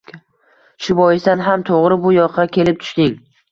shu boisdan ham, to‘g‘ri bu yoqqa kelib tushding